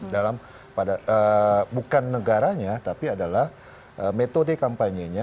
dalam pada bukan negaranya tapi adalah metode kampanye nya